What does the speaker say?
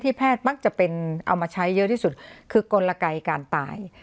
แพทย์มักจะเป็นเอามาใช้เยอะที่สุดคือกลไกการตาย